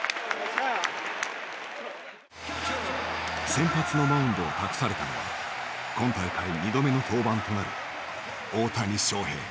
先発のマウンドを託されたのは今大会２度目の登板となる大谷翔平。